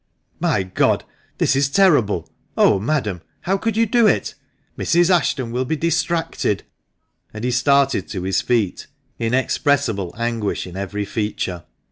" My God ! this is terrible ! Oh, madam, how could you do it ? Mrs. Ashton will be distracted !" and he started to his feet, inexpressible anguish in every feature.